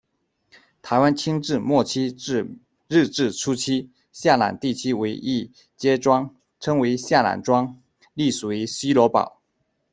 台湾清治末期至日治初期，下湳地区为一街庄，称为「下湳庄」，隶属于西螺堡。